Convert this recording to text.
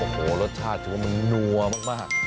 โอ้โหรสชาติถือว่ามันนัวมาก